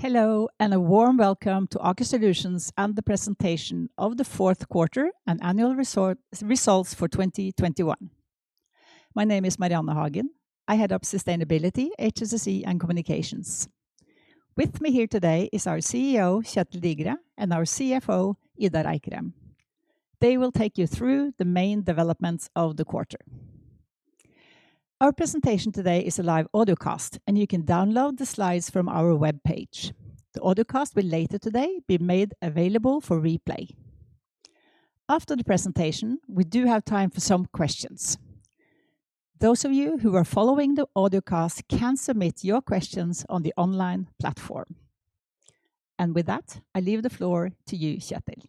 Hello, and a warm welcome to Aker Solutions and the presentation of the fourth quarter and annual results for 2021. My name is Marianne Hagen. I head up Sustainability, HSSE, and Communications. With me here today is our CEO, Kjetel Digre, and our CFO, Idar Eikrem. They will take you through the main developments of the quarter. Our presentation today is a live audio cast, and you can download the slides from our webpage. The audio cast will later today be made available for replay. After the presentation, we do have time for some questions. Those of you who are following the audio cast can submit your questions on the online platform. With that, I leave the floor to you, Kjetel.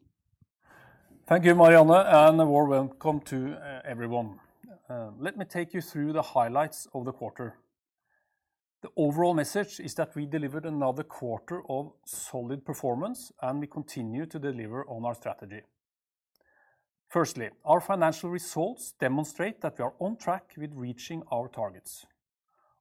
Thank you, Marianne, and a warm welcome to everyone. Let me take you through the highlights of the quarter. The overall message is that we delivered another quarter of solid performance, and we continue to deliver on our strategy. Firstly, our financial results demonstrate that we are on track with reaching our targets.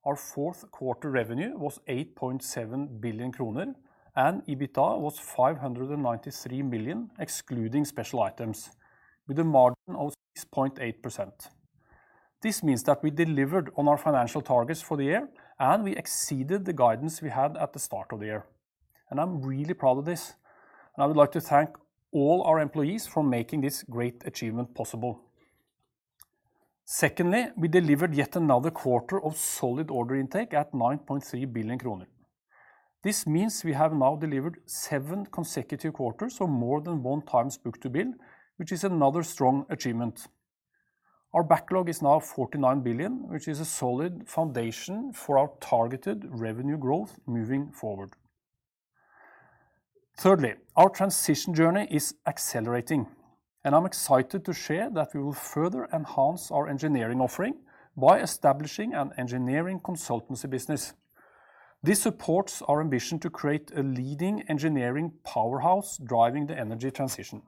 Our fourth-quarter revenue was 8.7 billion kroner, and EBITA was 593 million, excluding special items, with a margin of 6.8%. This means that we delivered on our financial targets for the year, and we exceeded the guidance we had at the start of the year. I'm really proud of this, and I would like to thank all our employees for making this great achievement possible. Secondly, we delivered yet another quarter of solid order intake at 9.3 billion kroner. This means we have now delivered seven consecutive quarters of more than one times book-to-bill, which is another strong achievement. Our backlog is now 49 billion, which is a solid foundation for our targeted revenue growth moving forward. Thirdly, our transition journey is accelerating, and I'm excited to share that we will further enhance our engineering offering by establishing an engineering consultancy business. This supports our ambition to create a leading engineering powerhouse driving the energy transition.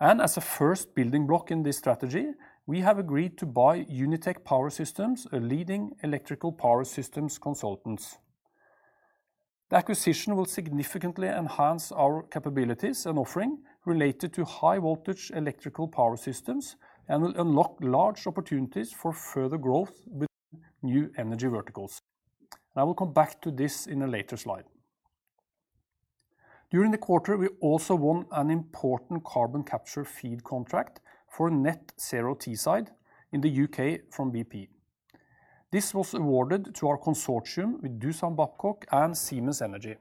As a first building block in this strategy, we have agreed to buy Unitech Power Systems, a leading electrical power systems consultants. The acquisition will significantly enhance our capabilities and offering related to high-voltage electrical power systems and will unlock large opportunities for further growth with new energy verticals. I will come back to this in a later slide. During the quarter, we also won an important carbon capture FEED contract for Net Zero Teesside in the U.K. from BP. This was awarded to our consortium with Doosan Babcock and Siemens Energy.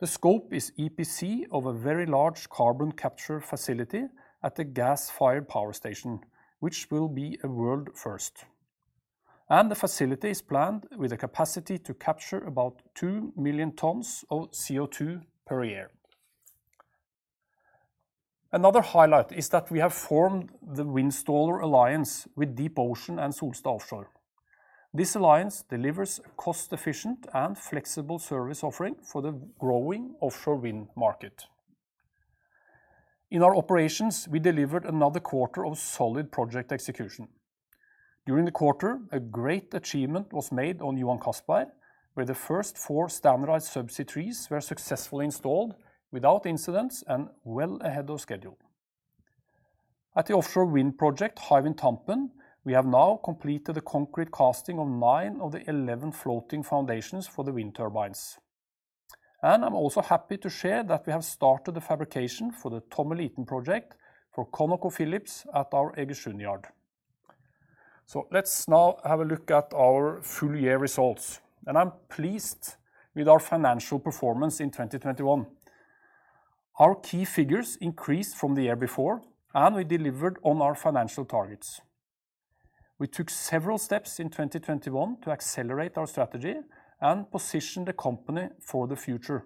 The scope is EPC of a very large carbon capture facility at the gas-fired power station, which will be a world first. The facility is planned with a capacity to capture about 2 million tons of CO2 per year. Another highlight is that we have formed the Windstaller Alliance with DeepOcean and Solstad Offshore. This alliance delivers cost-efficient and flexible service offering for the growing offshore wind market. In our operations, we delivered another quarter of solid project execution. During the quarter, a great achievement was made on Johan Castberg, where the first four standardized subsea trees were successfully installed without incidents and well ahead of schedule. At the offshore wind project Hywind Tampen, we have now completed the concrete casting of nine of the 11 floating foundations for the wind turbines. I'm also happy to share that we have started the fabrication for the Tommeliten project for ConocoPhillips at our Egersund yard. Let's now have a look at our full year results, and I'm pleased with our financial performance in 2021. Our key figures increased from the year before, and we delivered on our financial targets. We took several steps in 2021 to accelerate our strategy and position the company for the future.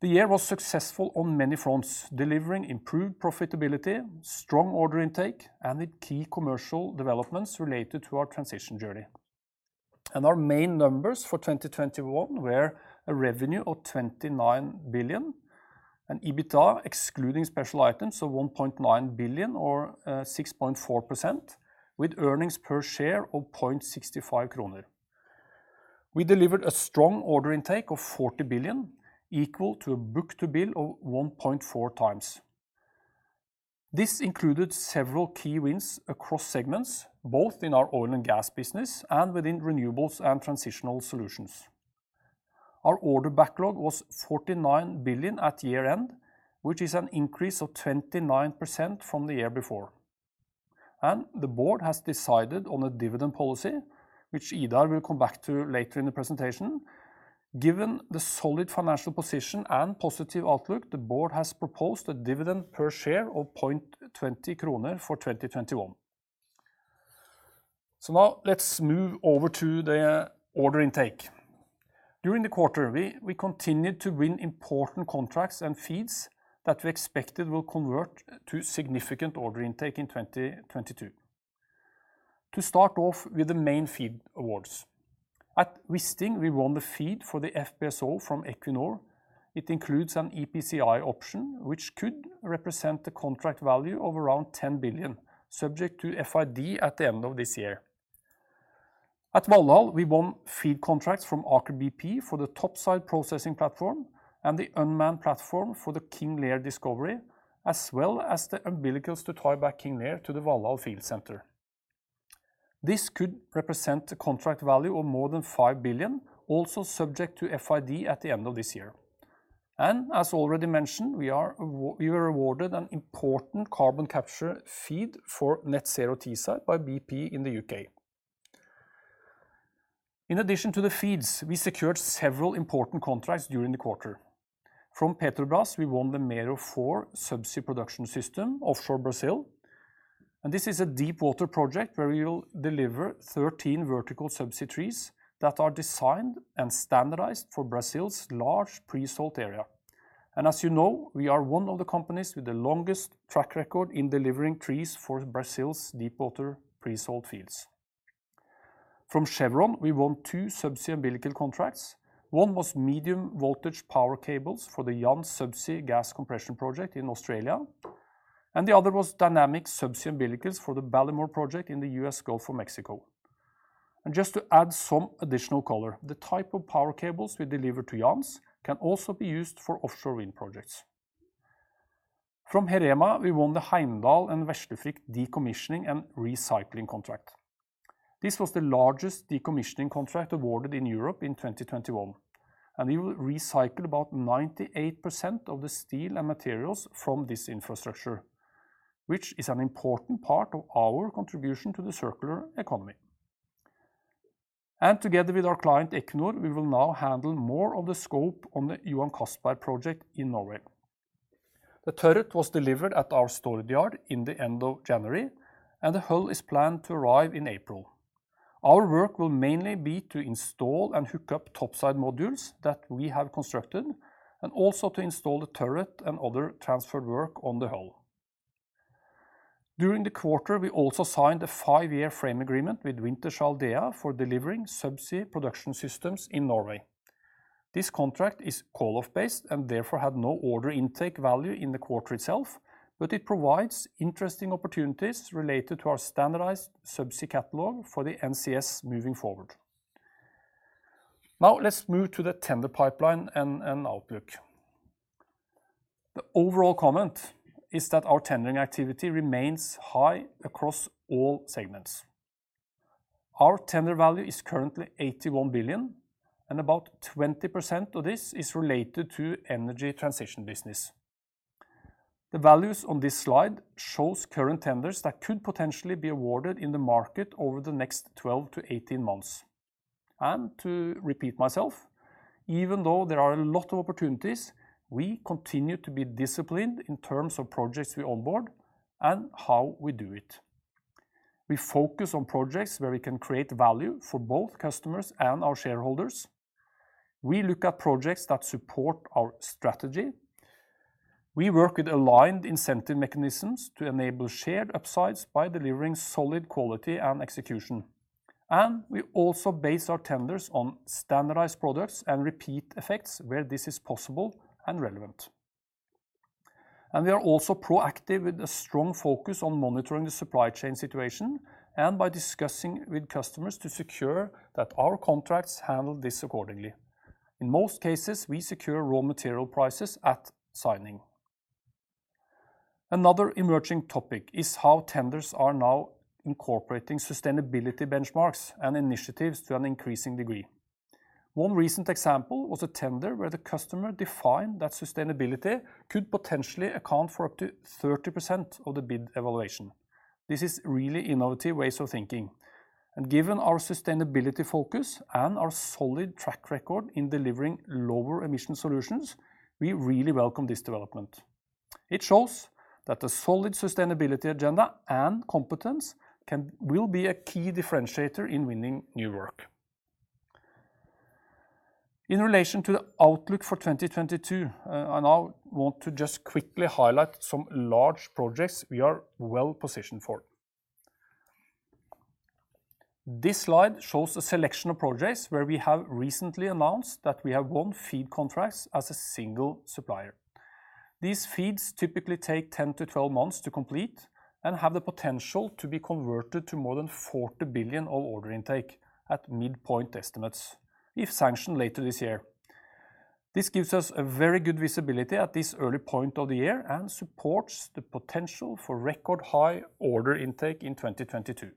The year was successful on many fronts, delivering improved profitability, strong order intake, and the key commercial developments related to our transition journey. Our main numbers for 2021 were a revenue of 29 billion and EBITA, excluding special items, of 1.9 billion or 6.4% with earnings per share of 0.65 kroner. We delivered a strong order intake of 40 billion equal to a book-to-bill of 1.4x. This included several key wins across segments, both in our oil and gas business and within renewables and transitional solutions. Our order backlog was 49 billion at year-end, which is an increase of 29% from the year before. The board has decided on a dividend policy which Idar will come back to later in the presentation. Given the solid financial position and positive outlook, the board has proposed a dividend per share of 0.20 kroner for 2021. Now let's move over to the order intake. During the quarter, we continued to win important contracts and FEEDs that we expected will convert to significant order intake in 2022. To start off with the main FEED awards, at Wisting we won the FEED for the FPSO from Equinor. It includes an EPCI option, which could represent the contract value of around 10 billion, subject to FID at the end of this year. At Valhall, we won FEED contracts from Aker BP for the topside processing platform and the unmanned platform for the King Lear discovery, as well as the umbilicals to tieback King Lear to the Valhall field center. This could represent a contract value of more than 5 billion, also subject to FID at the end of this year. As already mentioned, we were awarded an important carbon capture FEED for Net Zero Teesside by BP in the U.K. In addition to the FEEDs, we secured several important contracts during the quarter. From Petrobras, we won the Mero 4 subsea production system offshore Brazil, and this is a deepwater project where we will deliver 13 vertical subsea trees that are designed and standardized for Brazil's large pre-salt area. As you know, we are one of the companies with the longest track record in delivering trees for Brazil's deepwater pre-salt fields. From Chevron, we won two subsea umbilical contracts. One was medium-voltage power cables for the Jansz subsea gas compression project in Australia, and the other was dynamic subsea umbilicals for the Ballymore project in the U.S. Gulf of Mexico. Just to add some additional color, the type of power cables we deliver to Jansz can also be used for offshore wind projects. From Heerema, we won the Heimdal & Veslefrikk decommissioning and recycling contract. This was the largest decommissioning contract awarded in Europe in 2021, and we will recycle about 98% of the steel and materials from this infrastructure, which is an important part of our contribution to the circular economy. Together with our client Equinor, we will now handle more of the scope on the Johan Castberg project in Norway. The turret was delivered at our Stord yard in the end of January, and the hull is planned to arrive in April. Our work will mainly be to install and hook up topside modules that we have constructed and also to install the turret and other transfer work on the hull. During the quarter, we also signed a five year frame agreement with Wintershall Dea for delivering subsea production systems in Norway. This contract is call-off based and therefore had no order intake value in the quarter itself, but it provides interesting opportunities related to our standardized subsea catalog for the NCS moving forward. Now let's move to the tender pipeline and outlook. The overall comment is that our tendering activity remains high across all segments. Our tender value is currently 81 billion, and about 20% of this is related to energy transition business. The values on this slide shows current tenders that could potentially be awarded in the market over the next 12-18 months. To repeat myself, even though there are a lot of opportunities, we continue to be disciplined in terms of projects we onboard and how we do it. We focus on projects where we can create value for both customers and our shareholders. We look at projects that support our strategy. We work with aligned incentive mechanisms to enable shared upsides by delivering solid quality and execution. We also base our tenders on standardized products and repeat effects where this is possible and relevant. We are also proactive with a strong focus on monitoring the supply chain situation and by discussing with customers to secure that our contracts handle this accordingly. In most cases, we secure raw material prices at signing. Another emerging topic is how tenders are now incorporating sustainability benchmarks and initiatives to an increasing degree. One recent example was a tender where the customer defined that sustainability could potentially account for up to 30% of the bid evaluation. This is really innovative ways of thinking, and given our sustainability focus and our solid track record in delivering lower emission solutions, we really welcome this development. It shows that a solid sustainability agenda and competence will be a key differentiator in winning new work. In relation to the outlook for 2022, I now want to just quickly highlight some large projects we are well-positioned for. This slide shows a selection of projects where we have recently announced that we have won FEED contracts as a single supplier. These FEEDs typically take 10-12 months to complete and have the potential to be converted to more than 40 billion of order intake at midpoint estimates if sanctioned later this year. This gives us a very good visibility at this early point of the year and supports the potential for record high order intake in 2022.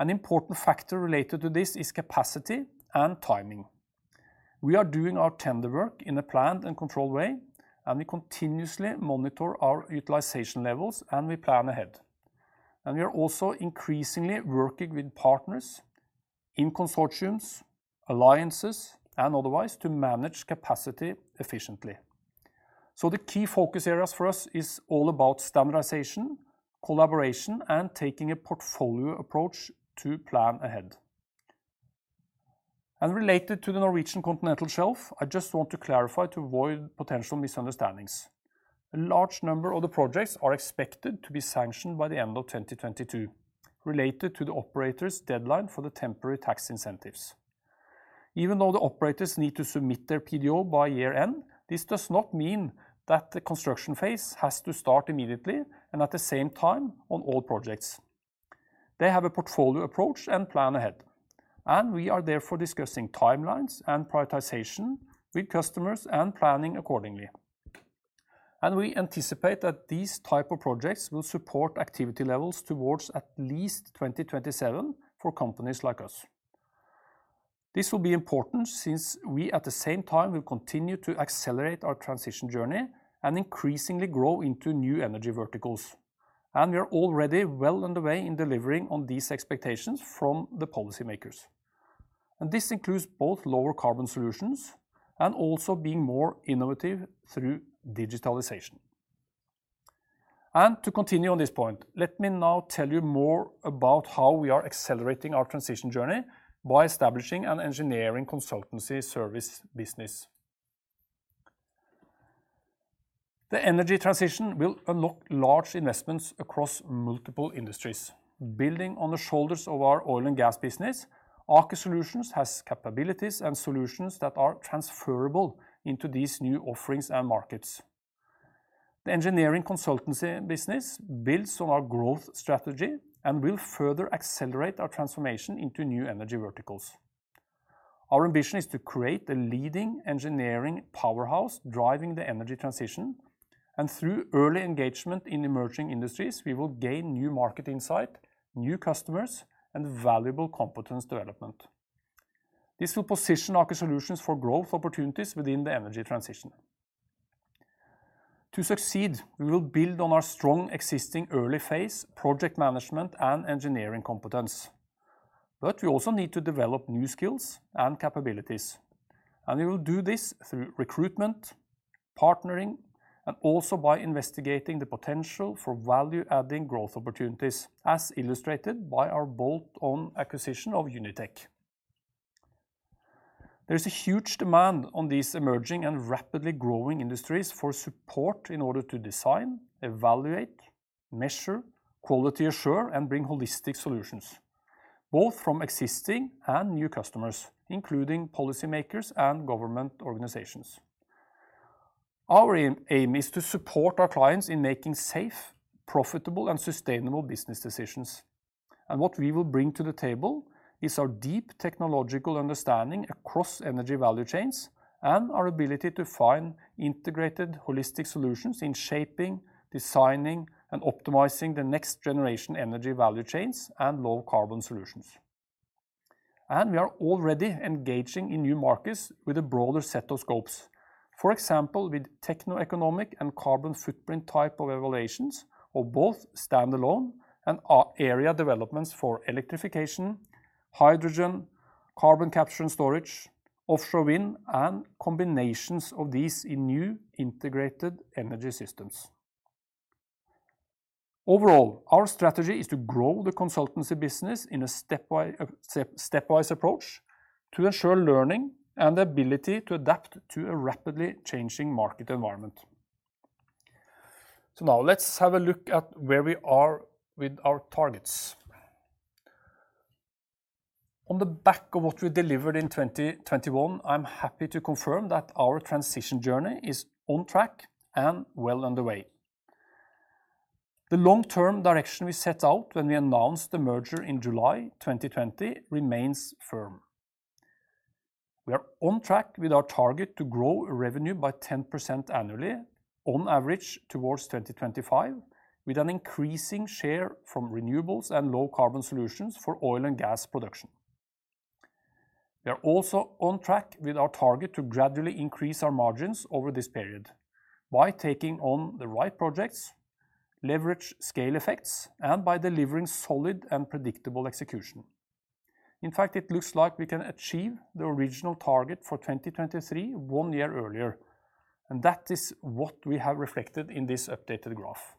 An important factor related to this is capacity and timing. We are doing our tender work in a planned and controlled way, and we continuously monitor our utilization levels, and we plan ahead. We are also increasingly working with partners in consortiums, alliances, and otherwise to manage capacity efficiently. The key focus areas for us is all about standardization, collaboration, and taking a portfolio approach to plan ahead. Related to the Norwegian Continental Shelf, I just want to clarify to avoid potential misunderstandings. A large number of the projects are expected to be sanctioned by the end of 2022 related to the operators' deadline for the temporary tax incentives. Even though the operators need to submit their PDO by year-end, this does not mean that the construction phase has to start immediately and at the same time on all projects. They have a portfolio approach and plan ahead, and we are therefore discussing timelines and prioritization with customers and planning accordingly. We anticipate that these type of projects will support activity levels towards at least 2027 for companies like us. This will be important since we at the same time will continue to accelerate our transition journey and increasingly grow into new energy verticals, and we are already well underway in delivering on these expectations from the policymakers. This includes both lower carbon solutions and also being more innovative through digitalization. To continue on this point, let me now tell you more about how we are accelerating our transition journey by establishing an engineering consultancy service business. The energy transition will unlock large investments across multiple industries. Building on the shoulders of our oil and gas business, Aker Solutions has capabilities and solutions that are transferable into these new offerings and markets. The engineering consultancy business builds on our growth strategy and will further accelerate our transformation into new energy verticals. Our ambition is to create a leading engineering powerhouse driving the energy transition, and through early engagement in emerging industries, we will gain new market insight, new customers and valuable competence development. This will position Aker Solutions for growth opportunities within the energy transition. To succeed, we will build on our strong existing early phase project management and engineering competence. But we also need to develop new skills and capabilities, and we will do this through recruitment, partnering, and also by investigating the potential for value adding growth opportunities, as illustrated by our bolt-on acquisition of Unitech. There is a huge demand on these emerging and rapidly growing industries for support in order to design, evaluate, measure, quality assure and bring holistic solutions, both from existing and new customers, including policymakers and government organizations. Our aim is to support our clients in making safe, profitable and sustainable business decisions. What we will bring to the table is our deep technological understanding across energy value chains and our ability to find integrated holistic solutions in shaping, designing and optimizing the next generation energy value chains and low-carbon solutions. We are already engaging in new markets with a broader set of scopes. For example, with techno-economic and carbon footprint type of evaluations of both standalone and area developments for electrification, hydrogen, carbon capture and storage, offshore wind and combinations of these in new integrated energy systems. Overall, our strategy is to grow the consultancy business in a stepwise approach to ensure learning and the ability to adapt to a rapidly changing market environment. Now let's have a look at where we are with our targets. On the back of what we delivered in 2021, I'm happy to confirm that our transition journey is on track and well underway. The long term direction we set out when we announced the merger in July 2020 remains firm. We are on track with our target to grow revenue by 10% annually on average towards 2025, with an increasing share from renewables and low carbon solutions for oil and gas production. We are also on track with our target to gradually increase our margins over this period by taking on the right projects, leverage scale effects and by delivering solid and predictable execution. In fact, it looks like we can achieve the original target for 2023 one year earlier, and that is what we have reflected in this updated graph.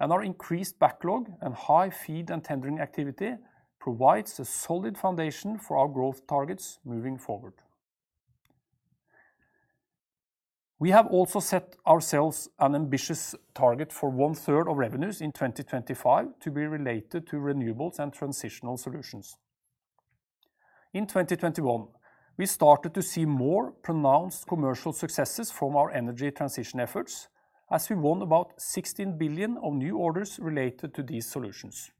Our increased backlog and high FEED and tendering activity provides a solid foundation for our growth targets moving forward. We have also set ourselves an ambitious target for one third of revenues in 2025 to be related to renewables and transitional solutions. In 2021, we started to see more pronounced commercial successes from our energy transition efforts as we won about 16 billion of new orders related to these solutions.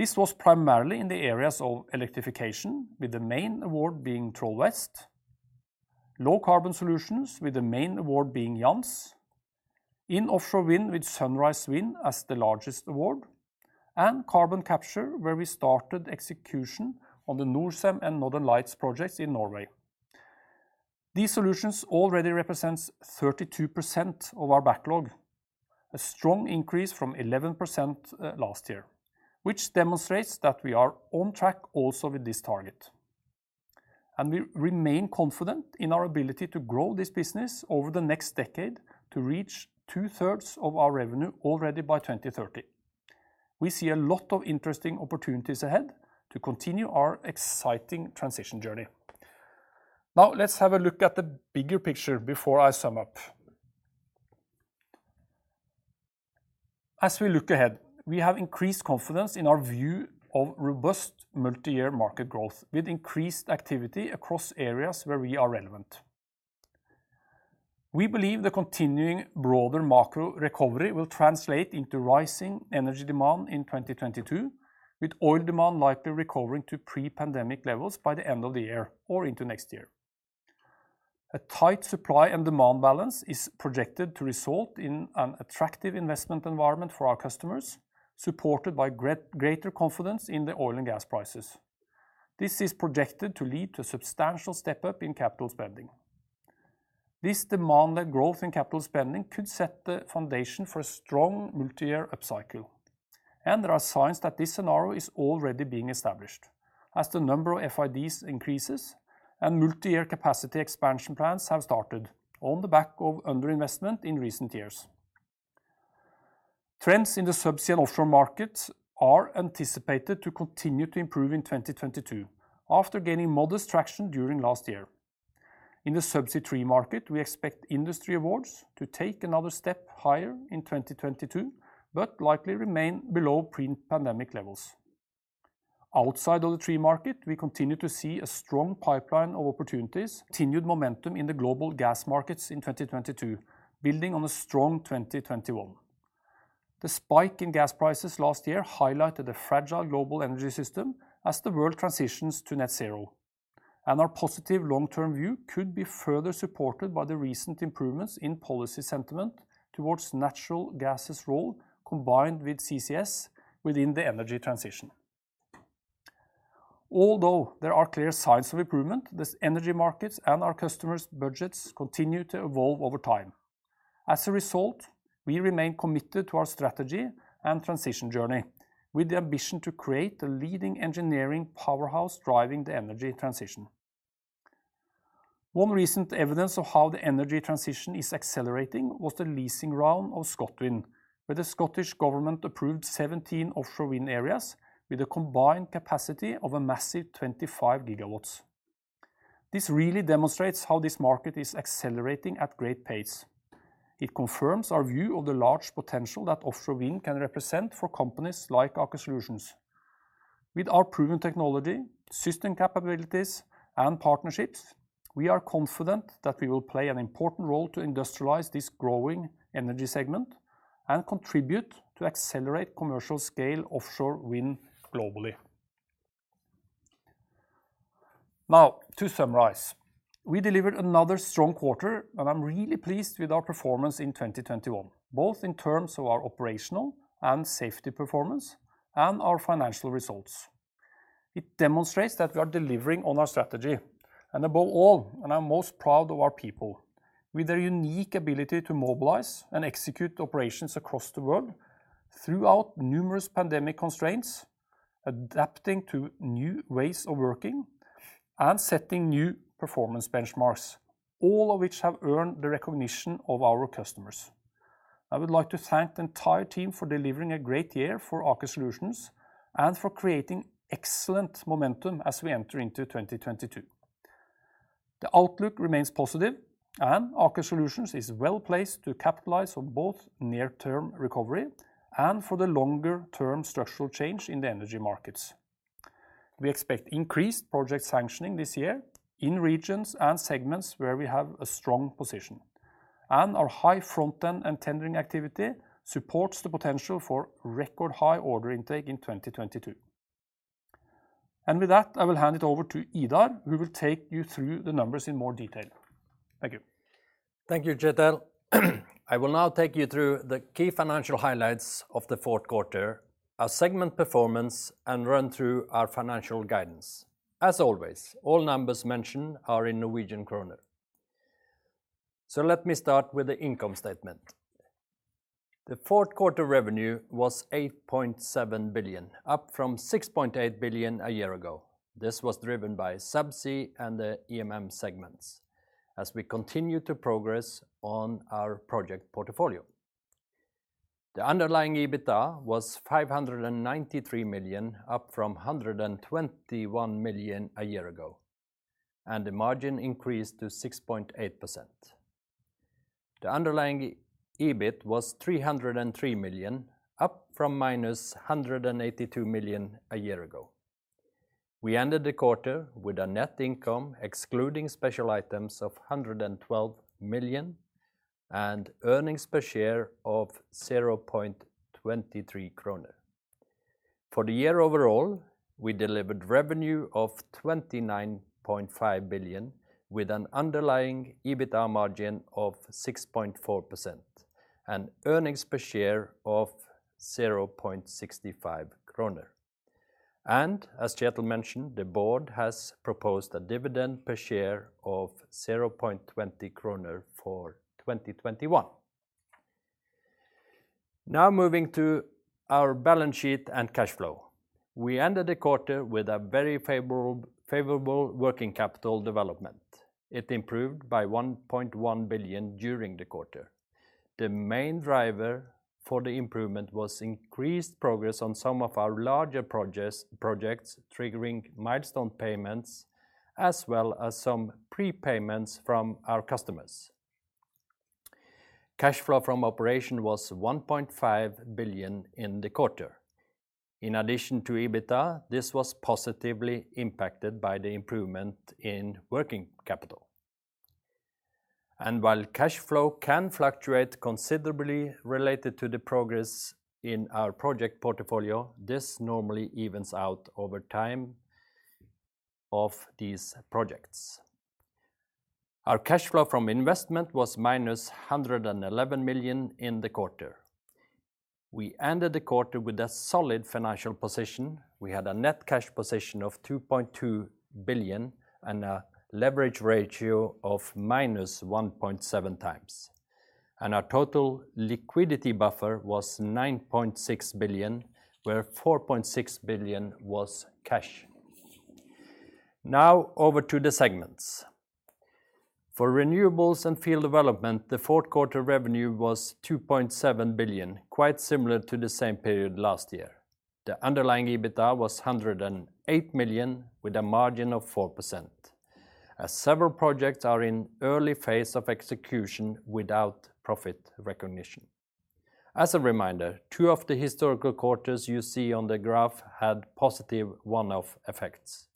This was primarily in the areas of electrification, with the main award being Troll West, low carbon solutions, with the main award being Jansz, in offshore wind, with Sunrise Wind as the largest award, and carbon capture, where we started execution on the Norcem and Northern Lights projects in Norway. These solutions already represents 32% of our backlog, a strong increase from 11% last year, which demonstrates that we are on track also with this target, and we remain confident in our ability to grow this business over the next decade to reach 2/3 of our revenue already by 2030. We see a lot of interesting opportunities ahead to continue our exciting transition journey. Now let's have a look at the bigger picture before I sum up. As we look ahead, we have increased confidence in our view of robust multi-year market growth with increased activity across areas where we are relevant. We believe the continuing broader macro recovery will translate into rising energy demand in 2022, with oil demand likely recovering to pre-pandemic levels by the end of the year or into next year. A tight supply and demand balance is projected to result in an attractive investment environment for our customers, supported by greater confidence in the oil and gas prices. This is projected to lead to a substantial step up in capital spending. This demand and growth in capital spending could set the foundation for a strong multi-year upcycle. There are signs that this scenario is already being established as the number of FIDs increases and multi-year capacity expansion plans have started on the back of under investment in recent years. Trends in the subsea and offshore markets are anticipated to continue to improve in 2022 after gaining modest traction during last year. In the subsea tree market, we expect industry awards to take another step higher in 2022, but likely remain below pre-pandemic levels. Outside of the tree market, we continue to see a strong pipeline of opportunities, continued momentum in the global gas markets in 2022, building on a strong 2021. The spike in gas prices last year highlighted the fragile global energy system as the world transitions to net zero. Our positive long-term view could be further supported by the recent improvements in policy sentiment towards natural gas's role combined with CCS within the energy transition. Although there are clear signs of improvement, the energy markets and our customers' budgets continue to evolve over time. As a result, we remain committed to our strategy and transition journey with the ambition to create the leading engineering powerhouse driving the energy transition. One recent evidence of how the energy transition is accelerating was the leasing round of Scotland, where the Scottish government approved 17 offshore wind areas with a combined capacity of a massive 25 GW. This really demonstrates how this market is accelerating at great pace. It confirms our view of the large potential that offshore wind can represent for companies like Aker Solutions. With our proven technology, system capabilities and partnerships, we are confident that we will play an important role to industrialize this growing energy segment and contribute to accelerate commercial scale offshore wind globally. Now, to summarize, we delivered another strong quarter, and I'm really pleased with our performance in 2021, both in terms of our operational and safety performance and our financial results. It demonstrates that we are delivering on our strategy and above all, and I'm most proud of our people with their unique ability to mobilize and execute operations across the world throughout numerous pandemic constraints, adapting to new ways of working and setting new performance benchmarks, all of which have earned the recognition of our customers. I would like to thank the entire team for delivering a great year for Aker Solutions and for creating excellent momentum as we enter into 2022. The outlook remains positive and Aker Solutions is well-placed to capitalize on both near-term recovery and for the longer term structural change in the energy markets. We expect increased project sanctioning this year in regions and segments where we have a strong position, and our high front end and tendering activity supports the potential for record high order intake in 2022. With that, I will hand it over to Idar, who will take you through the numbers in more detail. Thank you. Thank you, Kjetel. I will now take you through the key financial highlights of the fourth quarter, our segment performance and run through our financial guidance. As always, all numbers mentioned are in Norwegian kroner. Let me start with the income statement. The fourth quarter revenue was 8.7 billion, up from 6.8 billion a year ago. This was driven by subsea and the EMM segments as we continue to progress on our project portfolio. The underlying EBITDA was 593 million, up from 121 million a year ago, and the margin increased to 6.8%. The underlying EBIT was 303 million, up from -182 million a year ago. We ended the quarter with a net income excluding special items of 112 million and earnings per share of 0.23 kroner. For the year overall, we delivered revenue of 29.5 billion, with an underlying EBITDA margin of 6.4% and earnings per share of 0.65 kroner. As Kjetel mentioned, the board has proposed a dividend per share of 0.20 kroner for 2021. Now moving to our balance sheet and cash flow. We ended the quarter with a very favorable working capital development. It improved by 1.1 billion during the quarter. The main driver for the improvement was increased progress on some of our larger projects triggering milestone payments as well as some prepayments from our customers. Cash flow from operations was 1.5 billion in the quarter. In addition to EBITDA, this was positively impacted by the improvement in working capital. While cash flow can fluctuate considerably related to the progress in our project portfolio, this normally evens out over time of these projects. Our cash flow from investment was -111 million in the quarter. We ended the quarter with a solid financial position. We had a net cash position of 2.2 billion and a leverage ratio of -1.7x. Our total liquidity buffer was 9.6 billion, where 4.6 billion was cash. Now over to the segments. For renewables and field development, the fourth quarter revenue was 2.7 billion, quite similar to the same period last year. The underlying EBITDA was 108 million with a margin of 4%, as several projects are in early phase of execution without profit recognition. As a reminder, two of the historical quarters you see on the graph had positive one-off effects.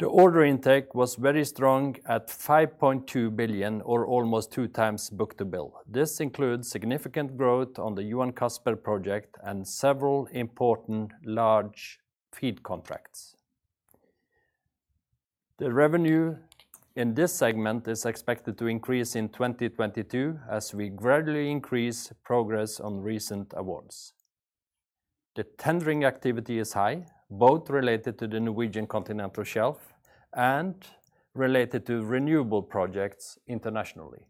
The order intake was very strong at 5.2 billion or almost 2x book-to-bill. This includes significant growth on the Johan Castberg project and several important large FEED contracts. The revenue in this segment is expected to increase in 2022 as we gradually increase progress on recent awards. The tendering activity is high, both related to the Norwegian Continental Shelf and related to renewable projects internationally.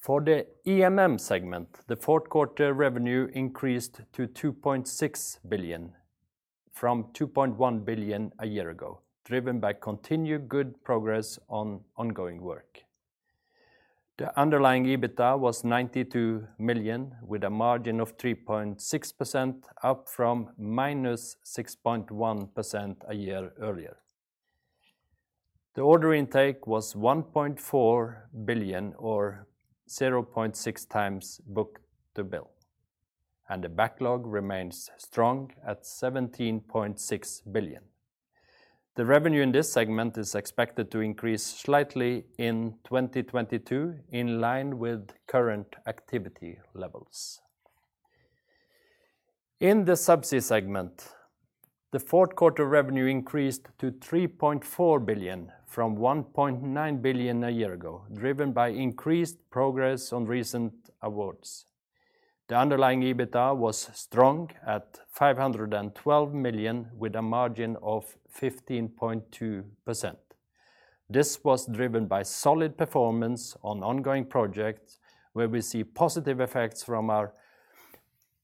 For the EMM segment, the fourth quarter revenue increased to 2.6 billion from 2.1 billion a year ago, driven by continued good progress on ongoing work. The underlying EBITDA was 92 million with a margin of 3.6%, up from -6.1% a year earlier. The order intake was 1.4 billion or 0.6x book-to-bill, and the backlog remains strong at 17.6 billion. The revenue in this segment is expected to increase slightly in 2022 in line with current activity levels. In the Subsea segment, the fourth quarter revenue increased to 3.4 billion from 1.9 billion a year ago, driven by increased progress on recent awards. The underlying EBITDA was strong at 512 million with a margin of 15.2%. This was driven by solid performance on ongoing projects where we see positive effects from our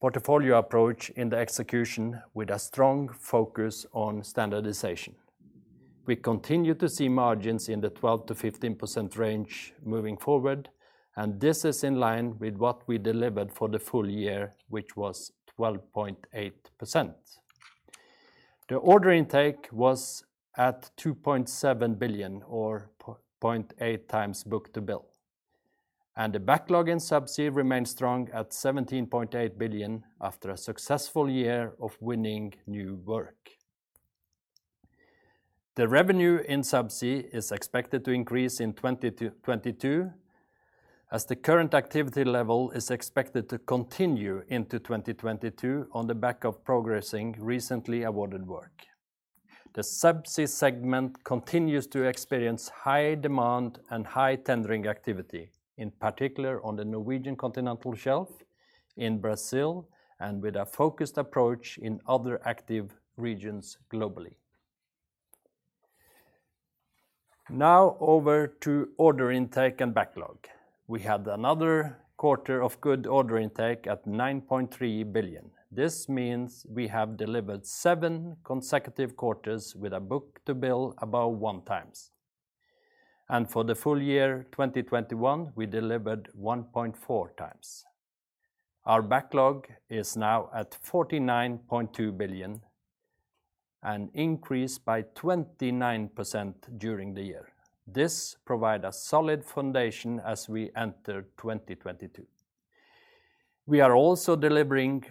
portfolio approach in the execution with a strong focus on standardization. We continue to see margins in the 12%-15% range moving forward, and this is in line with what we delivered for the full year, which was 12.8%. The order intake was at 2.7 billion or 0.8x book-to-bill, and the backlog in Subsea remains strong at 17.8 billion after a successful year of winning new work. The revenue in Subsea is expected to increase in 2022 as the current activity level is expected to continue into 2022 on the back of progressing recently awarded work. The Subsea segment continues to experience high demand and high tendering activity, in particular on the Norwegian Continental Shelf in Brazil and with a focused approach in other active regions globally. Now over to order intake and backlog. We had another quarter of good order intake at 9.3 billion. This means we have delivered seven consecutive quarters with a book-to-bill above 1x. For the full year 2021, we delivered 1.4x. Our backlog is now at 49.2 billion, an increase by 29% during the year. This provide a solid foundation as we enter 2022. We are also delivering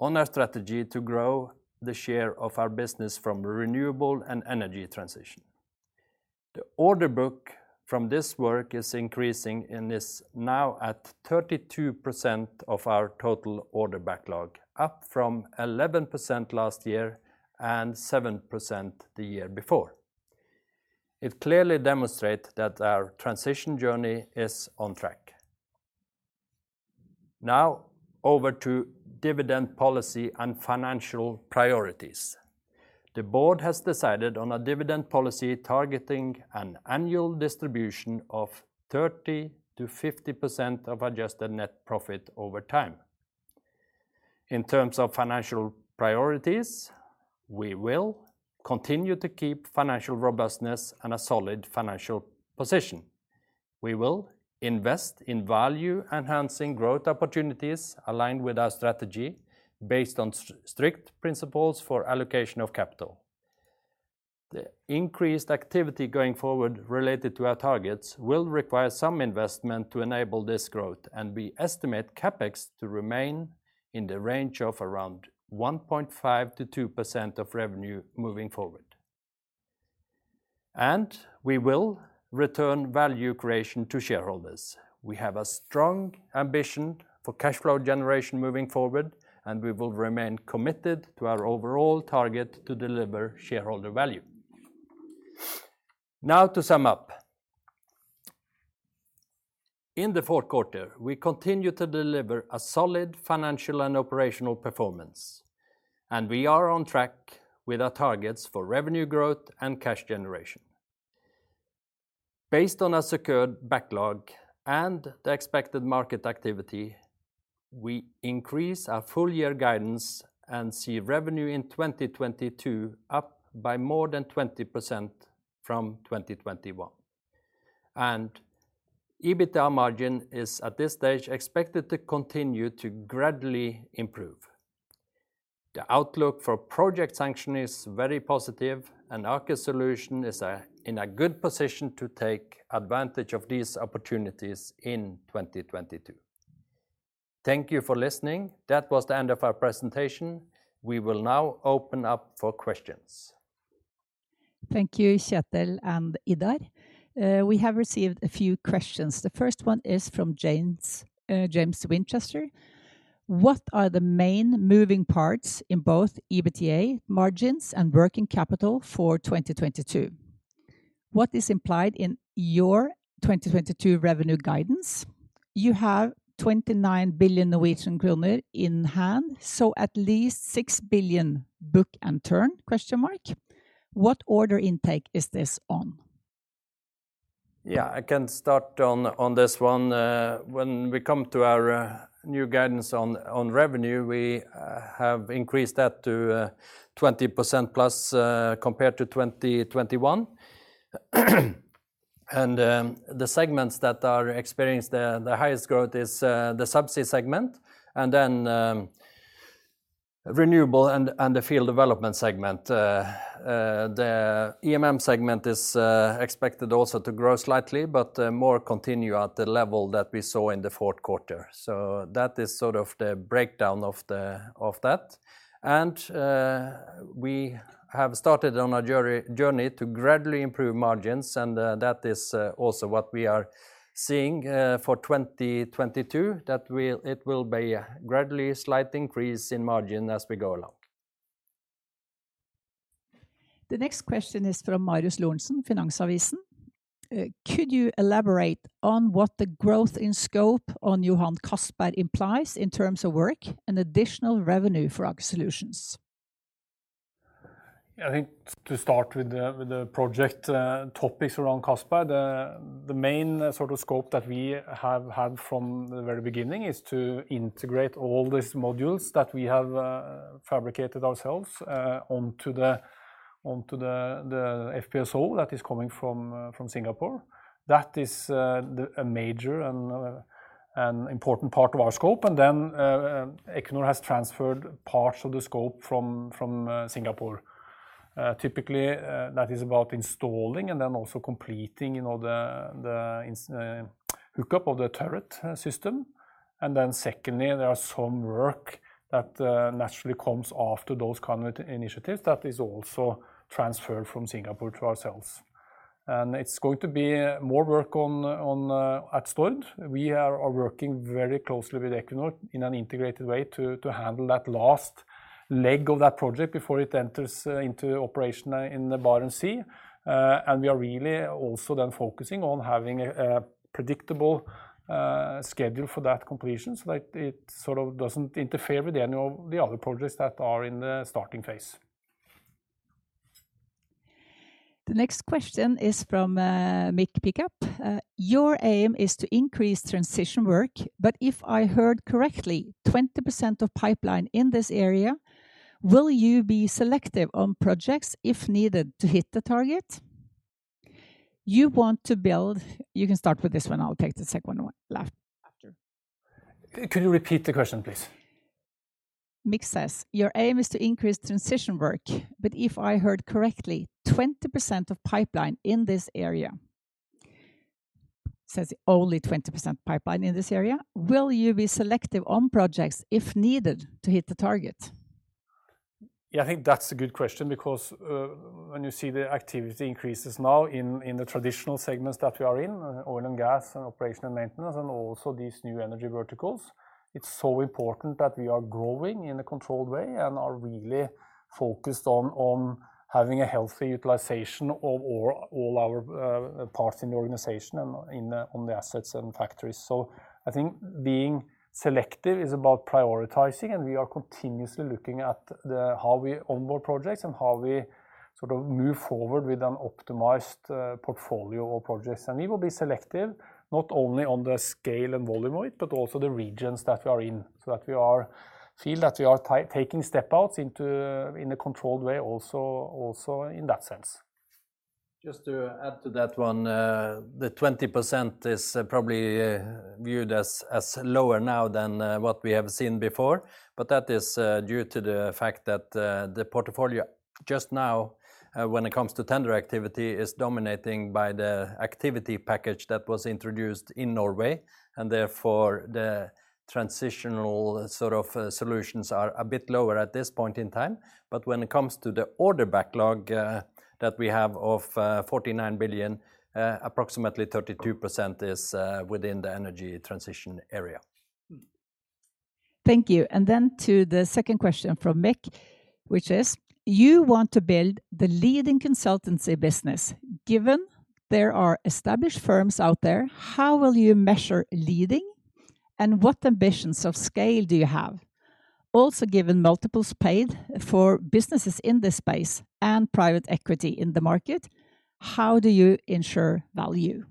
on our strategy to grow the share of our business from renewable and energy transition. The order book from this work is increasing and is now at 32% of our total order backlog, up from 11% last year and 7% the year before. It clearly demonstrate that our transition journey is on track. Now over to dividend policy and financial priorities. The board has decided on a dividend policy targeting an annual distribution of 30%-50% of adjusted net profit over time. In terms of financial priorities, we will continue to keep financial robustness and a solid financial position. We will invest in value-enhancing growth opportunities aligned with our strategy based on strict principles for allocation of capital. The increased activity going forward related to our targets will require some investment to enable this growth, and we estimate CapEx to remain in the range of around 1.5%-2% of revenue moving forward. We will return value creation to shareholders. We have a strong ambition for cash flow generation moving forward, and we will remain committed to our overall target to deliver shareholder value. Now to sum up. In the fourth quarter, we continued to deliver a solid financial and operational performance, and we are on track with our targets for revenue growth and cash generation. Based on our secured backlog and the expected market activity, we increase our full year guidance and see revenue in 2022 up by more than 20% from 2021. EBITDA margin is, at this stage, expected to continue to gradually improve. The outlook for project sanction is very positive, and Aker Solutions is in a good position to take advantage of these opportunities in 2022. Thank you for listening. That was the end of our presentation. We will now open up for questions. Thank you, Kjetel and Idar. We have received a few questions. The first one is from James Winchester: What are the main moving parts in both EBITDA margins and working capital for 2022? What is implied in your 2022 revenue guidance? You have 29 billion Norwegian kroner in hand, so at least 6 billion book-and-turn? What order intake is this on? Yeah, I can start on this one. When we come to our new guidance on revenue, we have increased that to 20%+, compared to 2021. The segments that are experiencing the highest growth is the Subsea segment, and then Renewables and the Field Development segment. The EMM segment is expected also to grow slightly, but more or less continue at the level that we saw in the fourth quarter. That is sort of the breakdown of that. We have started on a journey to gradually improve margins, and that is also what we are seeing for 2022, that it will be gradually slight increase in margin as we go along. The next question is from Marius Lorentzen, Finansavisen: Could you elaborate on what the growth in scope on Johan Castberg implies in terms of work and additional revenue for Aker Solutions? Yeah, I think to start with the project topics around Castberg, the main sort of scope that we have had from the very beginning is to integrate all these modules that we have fabricated ourselves onto the FPSO that is coming from Singapore. That is a major and important part of our scope. Equinor has transferred parts of the scope from Singapore. Typically, that is about installing and then also completing, you know, the hookup of the turret system. Secondly, there are some work that naturally comes after those kind of initiatives that is also transferred from Singapore to ourselves. It's going to be more work on at Stord. We are working very closely with Equinor in an integrated way to handle that last leg of that project before it enters into operation in the Barents Sea. We are really also focusing on having a predictable schedule for that completion so that it sort of doesn't interfere with any of the other projects that are in the starting phase. The next question is from Mick Pickup: your aim is to increase transition work, but if I heard correctly, 20% of pipeline in this area, will you be selective on projects if needed to hit the target? You can start with this one. I will take the second one later. Could you repeat the question, please? Your aim is to increase transition work, but if I heard correctly, 20% of pipeline in this area. Will you be selective on projects if needed to hit the target? Yeah, I think that's a good question because when you see the activity increases now in the traditional segments that we are in, oil and gas and operational maintenance and also these new energy verticals, it's so important that we are growing in a controlled way and are really focused on having a healthy utilization of all our parts in the organization and on the assets and factories. I think being selective is about prioritizing, and we are continuously looking at how we onboard projects and how we sort of move forward with an optimized portfolio of projects. We will be selective, not only on the scale and volume of it, but also the regions that we are in, so that we are feel that we are taking step outs into, in a controlled way also in that sense. Just to add to that one, the 20% is probably viewed as lower now than what we have seen before, but that is due to the fact that the portfolio just now, when it comes to tender activity, is dominated by the activity package that was introduced in Norway, and therefore the transitional sort of solutions are a bit lower at this point in time. When it comes to the order backlog that we have of 49 billion, approximately 32% is within the energy transition area. Thank you. To the second question from Mick, which is: You want to build the leading consultancy business. Given there are established firms out there, how will you measure leading, and what ambitions of scale do you have? Also, given multiples paid for businesses in this space and private equity in the market, how do you ensure value?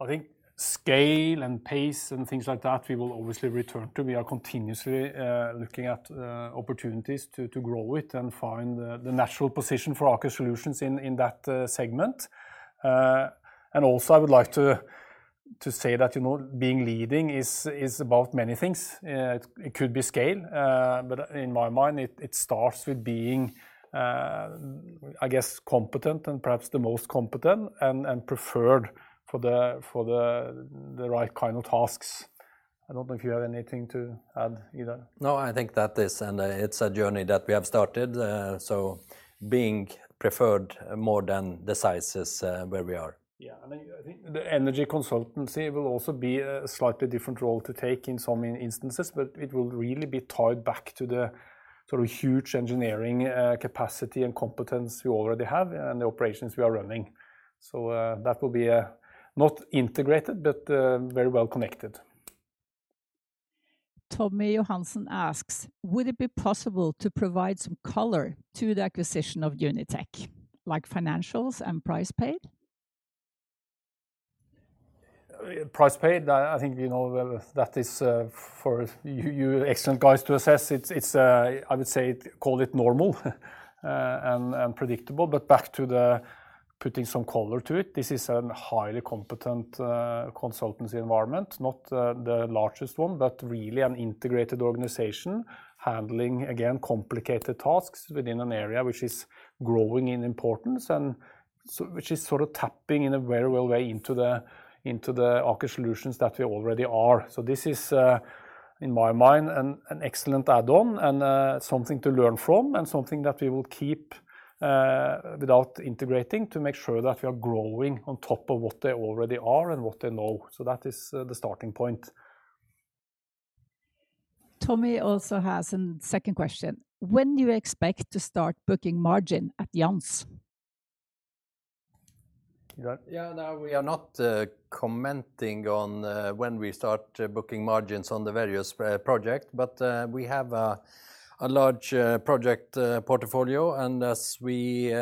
I think scale and pace and things like that we will obviously return to. We are continuously looking at opportunities to grow it and find the natural position for Aker Solutions in that segment. I would like to say that, you know, being leading is about many things. It could be scale, but in my mind it starts with being, I guess, competent and perhaps the most competent and preferred for the right kind of tasks. I don't know if you have anything to add, Idar. No, I think that is. It's a journey that we have started, so being preferred more than the size is where we are. Yeah. I mean, I think the energy consultancy will also be a slightly different role to take in some instances, but it will really be tied back to the sort of huge engineering capacity and competence we already have and the operations we are running. That will be not integrated, but very well connected. Tommy Johannessen asks: Would it be possible to provide some color to the acquisition of Unitech, like financials and price paid? Price paid, I think, you know, that is for you excellent guys to assess. It's, I would say, call it normal and predictable. Back to the putting some color to it, this is a highly competent consultancy environment. Not the largest one, but really an integrated organization handling, again, complicated tasks within an area which is growing in importance and so which is sort of tapping in a very well way into the Aker Solutions that we already are. This is, in my mind, an excellent add-on and something to learn from and something that we will keep without integrating to make sure that we are growing on top of what they already are and what they know. That is the starting point. Tommy also has a second question. When do you expect to start booking margin at Jansz? Yeah. No, we are not commenting on when we start booking margins on the various project, but we have a large project portfolio, and as we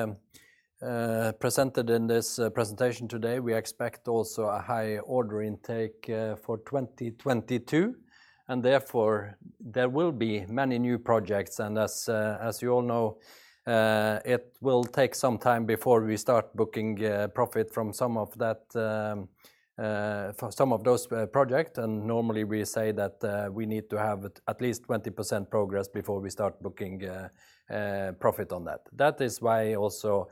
presented in this presentation today, we expect also a high order intake for 2022, and therefore there will be many new projects. As you all know, it will take some time before we start booking profit from some of that for some of those projects. Normally we say that we need to have at least 20% progress before we start booking profit on that. That is why also,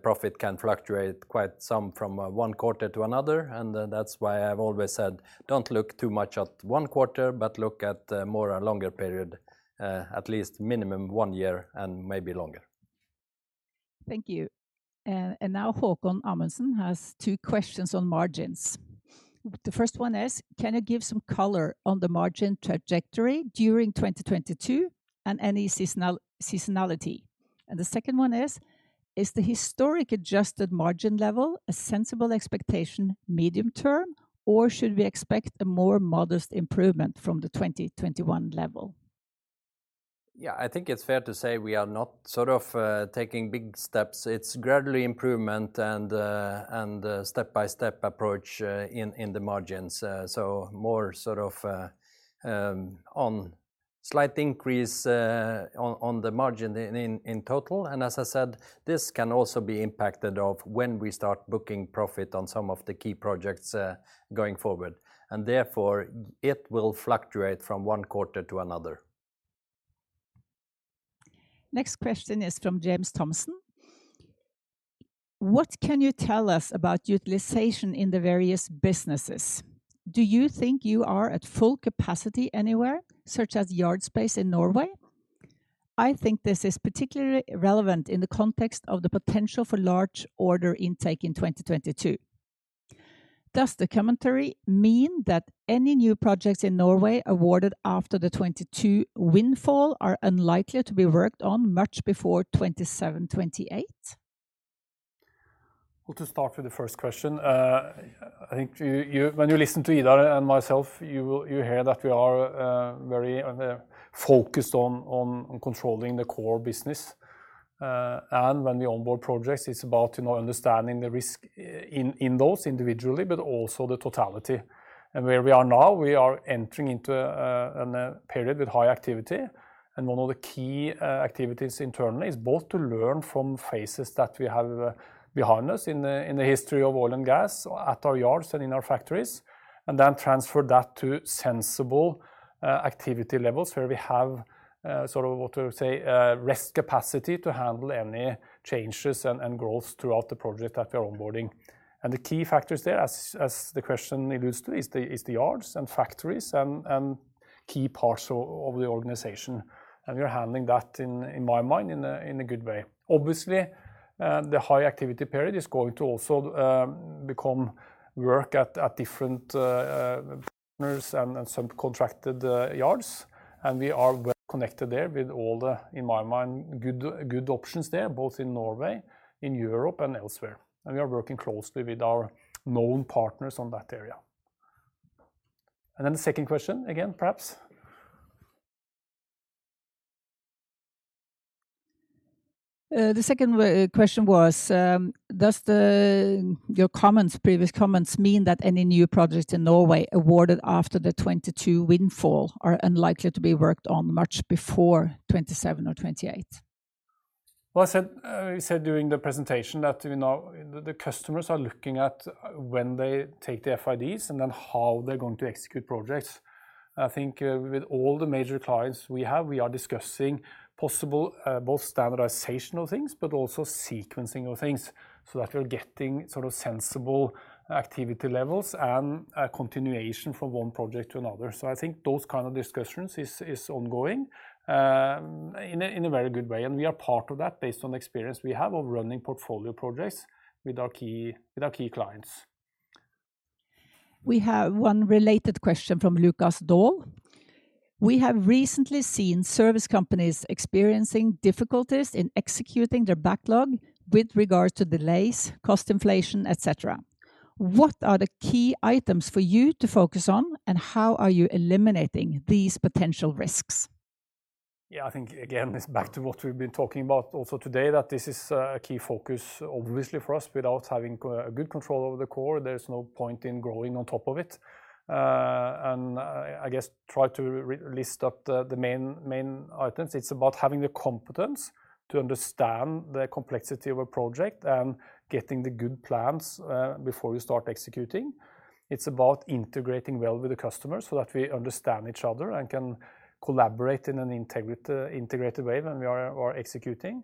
profit can fluctuate quite some from one quarter to another, and that's why I've always said, "Don't look too much at one quarter, but look at more a longer period, at least minimum one year and maybe longer. Thank you. Now Haakon Amundsen has two questions on margins. The first one is: Can you give some color on the margin trajectory during 2022 and any seasonality? The second one is: Is the historic adjusted margin level a sensible expectation medium-term, or should we expect a more modest improvement from the 2021 level? Yeah, I think it's fair to say we are not sort of taking big steps. It's gradual improvement and step-by-step approach in the margins. More sort of a slight increase on the margin in total. As I said, this can also be impacted by when we start booking profit on some of the key projects going forward, and therefore it will fluctuate from one quarter to another. Next question is from James Thompson. What can you tell us about utilization in the various businesses? Do you think you are at full capacity anywhere, such as yard space in Norway? I think this is particularly relevant in the context of the potential for large order intake in 2022. Does the commentary mean that any new projects in Norway awarded after the 2022 windfall are unlikely to be worked on much before 2027, 2028? Well, to start with the first question, I think you, when you listen to Idar and myself, you hear that we are very focused on controlling the core business. When we onboard projects, it's about, you know, understanding the risk in those individually, but also the totality. Where we are now, we are entering into a period with high activity. One of the key activities internally is both to learn from phases that we have behind us in the history of oil and gas at our yards and in our factories, and then transfer that to sensible activity levels where we have sort of what to say risk capacity to handle any changes and growth throughout the project that we are onboarding. The key factors there, as the question alludes to, is the yards and factories and key parts of the organization. We are handling that in my mind, in a good way. Obviously, the high activity period is going to also become work at different partners and some contracted yards. We are well connected there with all the, in my mind, good options there, both in Norway, in Europe and elsewhere. We are working closely with our known partners on that area. Then the second question again, perhaps. The second question was, does your comments, previous comments mean that any new projects in Norway awarded after the 2022 windfall are unlikely to be worked on much before 2027 or 2028? Well, as said, we said during the presentation that, you know, the customers are looking at when they take the FID and then how they're going to execute projects. I think with all the major clients we have, we are discussing possible, both standardization of things but also sequencing of things so that we're getting sort of sensible activity levels and a continuation from one project to another. I think those kind of discussions is ongoing, in a very good way, and we are part of that based on experience we have of running portfolio projects with our key clients. We have one related question from Lukas Daul. We have recently seen service companies experiencing difficulties in executing their backlog with regards to delays, cost inflation, et cetera. What are the key items for you to focus on, and how are you eliminating these potential risks? Yeah, I think again, it's back to what we've been talking about also today, that this is a key focus obviously for us. Without having good control over the core, there's no point in growing on top of it. I guess try to re-list up the main items. It's about having the competence to understand the complexity of a project and getting the good plans before you start executing. It's about integrating well with the customer so that we understand each other and can collaborate in an integrated way when we are executing.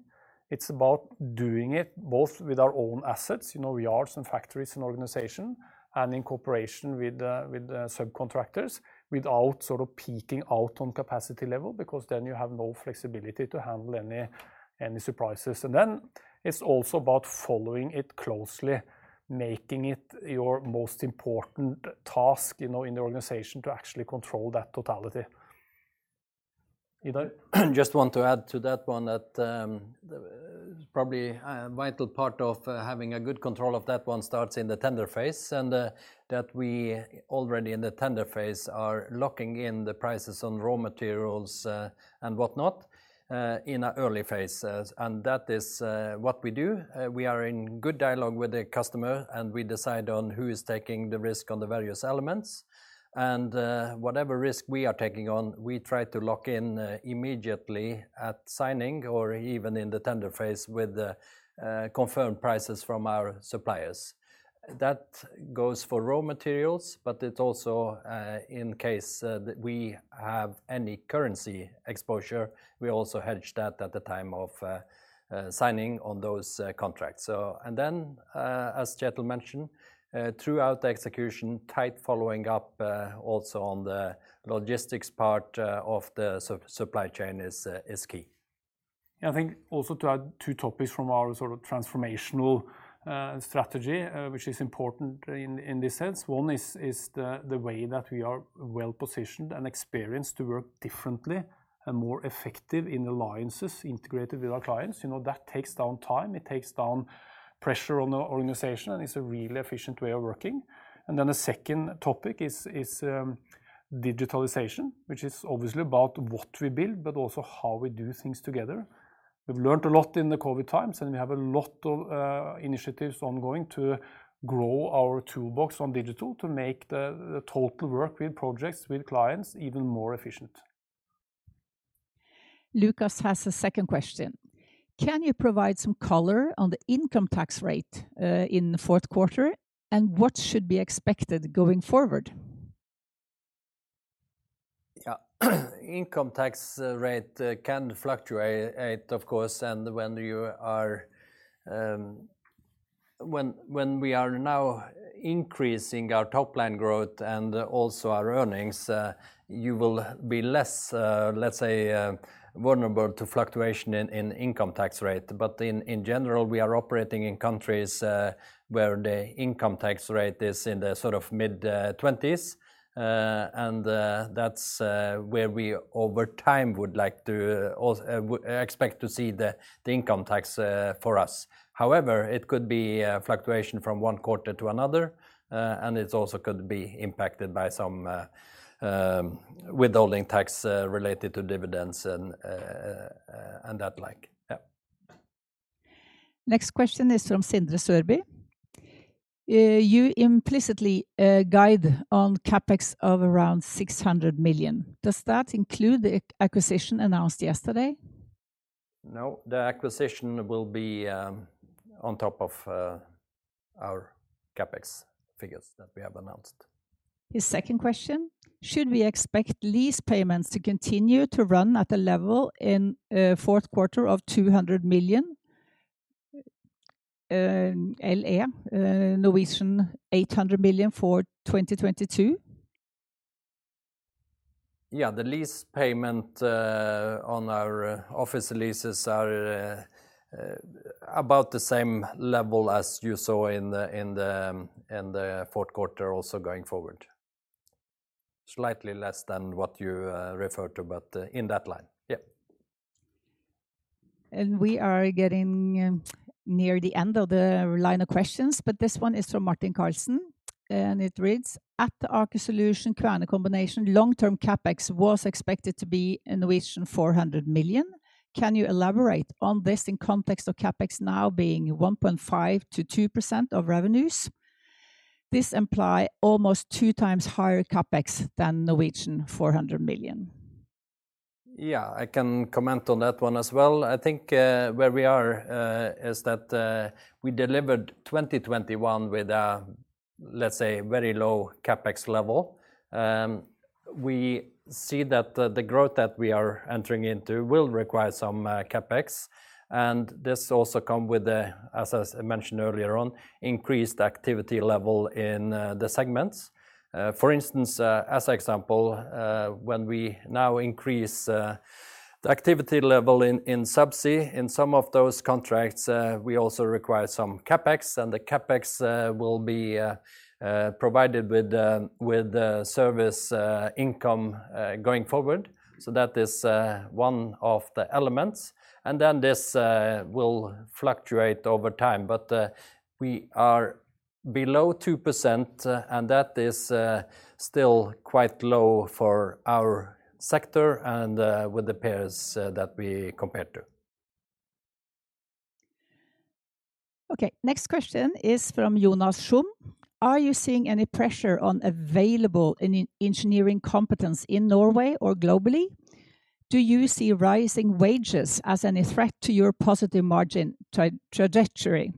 It's about doing it both with our own assets, you know, yards and factories and organization, and in cooperation with the subcontractors, without sort of peaking out on capacity level, because then you have no flexibility to handle any surprises. It's also about following it closely, making it your most important task, you know, in the organization to actually control that totality. Idar? Just want to add to that one that probably a vital part of having a good control of that one starts in the tender phase and that we already in the tender phase are locking in the prices on raw materials and whatnot in an early phase. That is what we do. We are in good dialogue with the customer, and we decide on who is taking the risk on the various elements. Whatever risk we are taking on, we try to lock in immediately at signing or even in the tender phase with the confirmed prices from our suppliers. That goes for raw materials, but it also in case we have any currency exposure, we also hedge that at the time of signing on those contracts. As Kjetel mentioned, throughout the execution, tight following up, also on the logistics part, of the supply chain is key. Yeah. I think also to add two topics from our sort of transformational strategy, which is important in this sense. One is the way that we are well-positioned and experienced to work differently and more effective in alliances integrated with our clients. You know, that takes down time, it takes down pressure on the organization, and it's a really efficient way of working. Then the second topic is digitalization, which is obviously about what we build, but also how we do things together. We've learned a lot in the COVID times, and we have a lot of initiatives ongoing to grow our toolbox on digital to make the total work with projects, with clients even more efficient. Lukas has a second question. Can you provide some color on the income tax rate in the fourth quarter, and what should be expected going forward? Yeah. Income tax rate can fluctuate of course. When we are now increasing our top line growth and also our earnings, you will be less, let's say, vulnerable to fluctuation in income tax rate. In general, we are operating in countries where the income tax rate is in the sort of mid-20s%. And that's where we over time would like to expect to see the income tax for us. However, it could be a fluctuation from one quarter to another, and it also could be impacted by some withholding tax related to dividends and that like. Yeah. Next question is from Sindre Sørbye. You implicitly guide on CapEx of around 600 million. Does that include the acquisition announced yesterday? No, the acquisition will be on top of our CapEx figures that we have announced. His second question, should we expect lease payments to continue to run at a level in fourth quarter of 200 million i.e. 800 million for 2022? Yeah. The lease payment on our office leases are about the same level as you saw in the fourth quarter also going forward. Slightly less than what you referred to, but in that line. Yeah. We are getting near the end of the line of questions, but this one is from Martin Karlsen, and it reads, at the Aker Solutions-Kvaerner combination, long-term CapEx was expected to be 400 million. Can you elaborate on this in context of CapEx now being 1.5%-2% of revenues? This imply almost 2x higher CapEx than 400 million. Yeah, I can comment on that one as well. I think where we are is that we delivered 2021 with a, let's say, very low CapEx level. We see that the growth that we are entering into will require some CapEx, and this also come with the, as I mentioned earlier on, increased activity level in the segments. For instance, as an example, when we now increase the activity level in subsea, in some of those contracts, we also require some CapEx, and the CapEx will be provided with the service income going forward. That is one of the elements. This will fluctuate over time. We are below 2%, and that is still quite low for our sector and with the peers that we compare to. Okay. Next question is from Jonas Shum. Are you seeing any pressure on available engineering competence in Norway or globally? Do you see rising wages as any threat to your positive margin trajectory?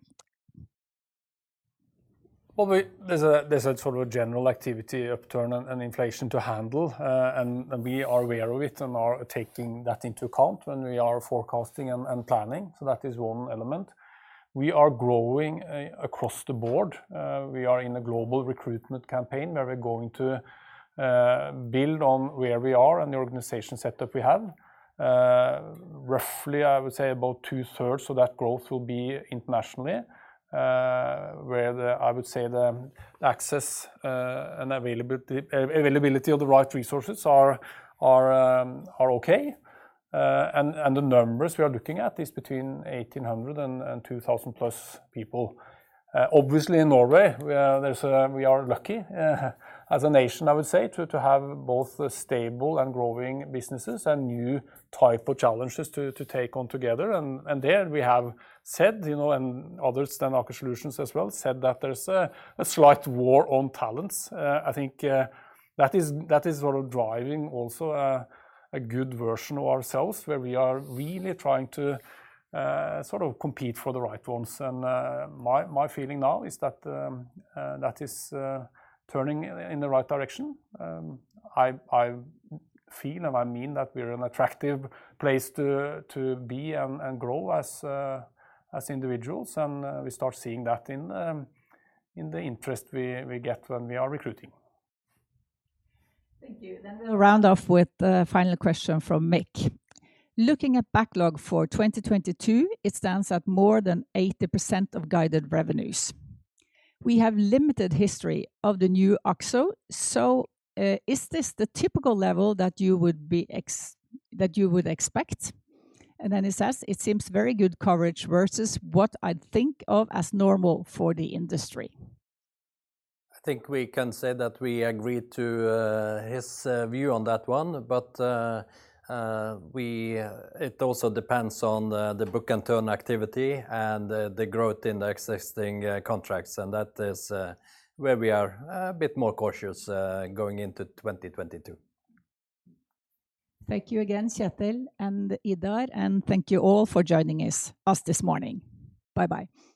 Well, there's a sort of a general activity upturn and inflation to handle, and we are aware of it and are taking that into account when we are forecasting and planning. That is one element. We are growing across the board. We are in a global recruitment campaign where we're going to build on where we are and the organization setup we have. Roughly, I would say about 2/3 of that growth will be internationally, where the access and availability of the right resources are okay. The numbers we are looking at is between 1,800 and 2,000+ people. Obviously in Norway, we are lucky as a nation, I would say, to have both stable and growing businesses and new type of challenges to take on together. There we have said, you know, and others than Aker Solutions as well said that there's a slight war on talents. I think that is sort of driving also a good version of ourselves where we are really trying to sort of compete for the right ones. My feeling now is that is turning in the right direction. I feel and I mean that we're an attractive place to be and grow as individuals, and we start seeing that in the interest we get when we are recruiting. Thank you. We'll round off with a final question from Mick. Looking at backlog for 2022, it stands at more than 80% of guided revenues. We have limited history of the new Aker, so, is this the typical level that you would expect? He says, "It seems very good coverage versus what I'd think of as normal for the industry. I think we can say that we agree to his view on that one. It also depends on the book-and-turn activity and the growth in the existing contracts, and that is where we are a bit more cautious going into 2022. Thank you again, Kjetel and Idar, and thank you all for joining us this morning. Bye-bye.